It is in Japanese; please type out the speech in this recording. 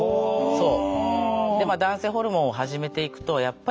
そう。